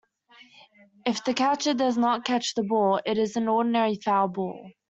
If the catcher does not catch the ball, it is an ordinary foul ball.